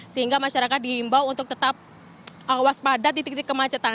sehingga masyarakat diimbau untuk tetap awas padat di titik titik kemacetan